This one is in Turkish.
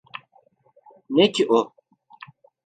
Ne ki o?